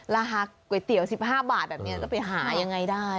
ราคาก๋วยเตี๋ยว๑๕บาทแบบนี้จะไปหายังไงได้